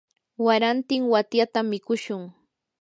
warantin watyatam mikushun.